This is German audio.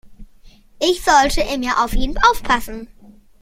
Ich sollte immer auf ihn aufpassen.